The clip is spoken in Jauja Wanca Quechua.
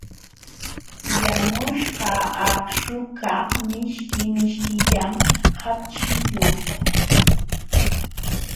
Yanuśhqa akśhukaq mishki mishkillam hapchiyuq.